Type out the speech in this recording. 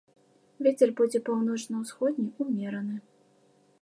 Вецер будзе паўночна-усходні, умераны.